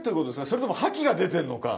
それとも覇気が出てるのか。